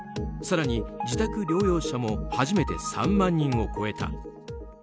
更に、自宅療養者も初めて３万人を超えた。